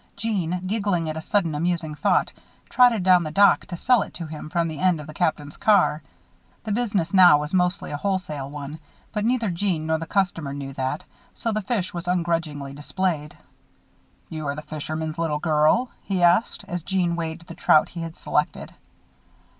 Jeanne, giggling at a sudden amusing thought, trotted down the dock to sell it to him from the end of the Captain's car. The business now was mostly a wholesale one; but neither Jeanne nor the customer knew that, so the fish were ungrudgingly displayed. "Be you the fishman's little girl?" he asked, as Jeanne weighed the trout he had selected.